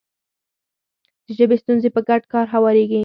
د ژبې ستونزې په ګډ کار هواریږي.